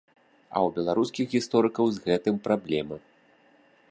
А ў беларускіх гісторыкаў з гэтым праблема.